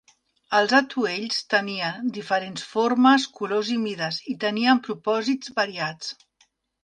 Els atuells tenien diferents formes, colors i mides, i tenien propòsits variats.